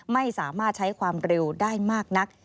ไม่สามารถใช้ความเร็วได้มากนัก